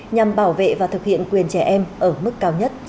nhằm bảo vệ và thực hiện quyền trẻ em ở mức cao nhất